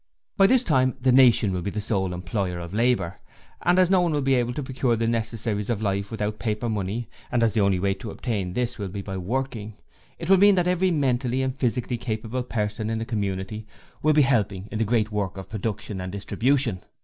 'By this time the nation will be the sole employer of labour, and as no one will be able to procure the necessaries of life without paper money, and as the only way to obtain this will be working, it will mean that every mentally and physically capable person in the community will be helping in the great work of PRODUCTION and DISTRIBUTION.